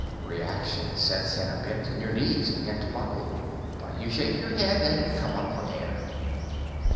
Reaction sets in a bit and your knees begin to buckle, but you shake your head and come up for air.